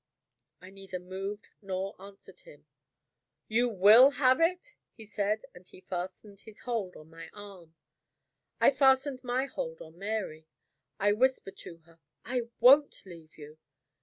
I neither moved nor answered him. "You will have it?" he said, as he fastened his hold on my arm. I fastened my hold on Mary; I whispered to her, "I won't leave you!"